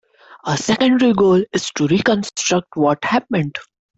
Our secondary goal is to reconstruct what happened.